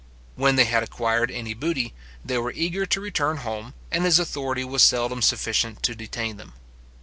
When they had acquired any booty, they were eager to return home, and his authority was seldom sufficient to detain them.